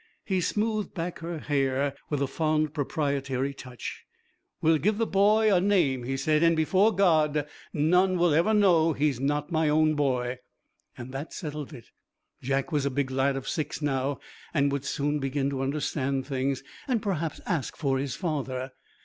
He smoothed back her hair with a fond proprietary touch. 'We'll give the boy a name,' he said, 'and before God, none will ever know he's not my own boy.' That settled it. Jack was a big lad of six now, and would soon begin to understand things, and perhaps ask for his father.